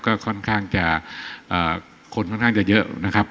ก็ค่อนข้างจะคนค่อนข้างจะเยอะนะครับ